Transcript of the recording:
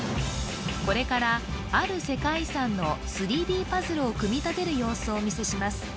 これからある世界遺産の３Ｄパズルを組み立てる様子をお見せします